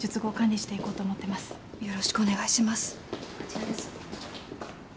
こちらです。